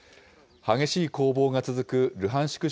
激しい攻防が続くルハンシク